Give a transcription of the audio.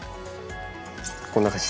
こんな感じ。